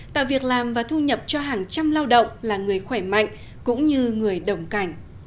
tạo việc làm và thu nhập cho hàng trăm lao động là người khỏe mạnh cũng như người đồng cảnh